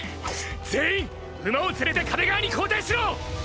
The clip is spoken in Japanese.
全員馬を連れて壁側に後退しろ！！